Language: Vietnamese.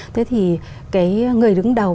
thế thì cái người đứng đầu